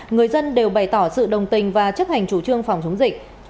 người dân đều bày tỏ sự đồng tình và chấp hành chủ trương phòng chống dịch